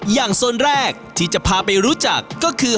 โซนแรกที่จะพาไปรู้จักก็คือ